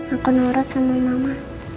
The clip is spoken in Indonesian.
aku nurut sama mama